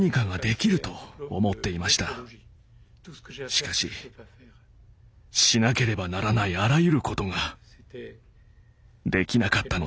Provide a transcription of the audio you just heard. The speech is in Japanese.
しかししなければならないあらゆることができなかったのです。